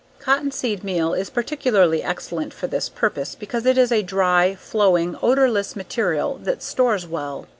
Cottonseed meal is particularly excellent for this purpose because it is a dry, flowing, odorless material that stores well.